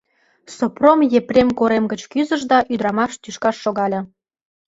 Сопром Епрем корем гыч кӱзыш да ӱдырамаш тӱшкаш шогале.